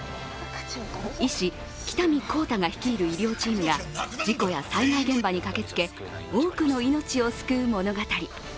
医師・喜多見幸太が率いる医療チームが事故や災害現場に駆けつけ、多くの命を救う物語。